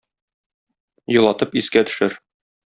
Елатып искә төшер.